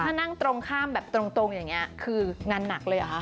คืองานตรงข้ามแบบตรงอย่างเงี้ยคืองานหนักเลยอ่ะค่ะ